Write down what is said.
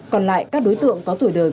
còn lại các đối tượng có tuổi đời